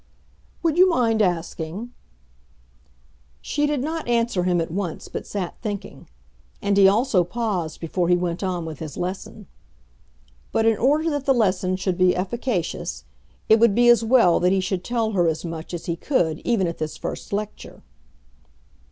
"Would you mind asking?" She did not answer him at once, but sat thinking. And he also paused before he went on with his lesson. But, in order that the lesson should be efficacious, it would be as well that he should tell her as much as he could even at this first lecture.